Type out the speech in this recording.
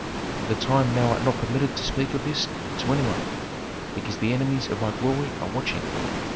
"For the time thou art not permitted to speak of this to any one, because the enemies of my glory are watching.